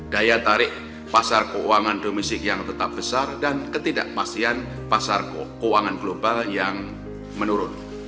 daya tarik pasar keuangan domestik yang tetap besar dan ketidakpastian pasar keuangan global yang menurun